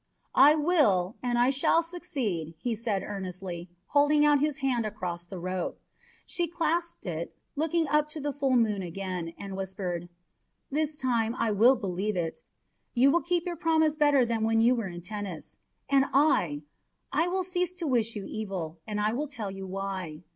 "I will, and I shall succeed," he said earnestly, holding out his hand across the rope. She clasped it, looked up to the full moon again, and whispered: "This time I will believe it you will keep your promise better than when you were in Tennis. And I I will cease to wish you evil, and I will tell you why.